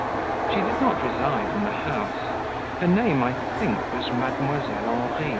She did not reside in the house; her name, I think, was Mdlle. Henri.